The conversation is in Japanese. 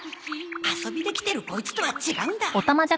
遊びで来てるコイツとは違うんだ